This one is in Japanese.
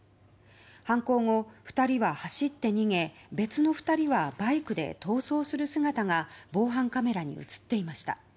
犯行後、２人は走って逃げ別の２人はバイクで逃走する姿が防犯カメラに映っていました。